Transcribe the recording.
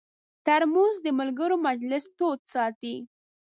ترموز د ملګرو مجلس تود ساتي.